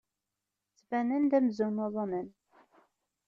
Ttbanen-d amzun uḍnen.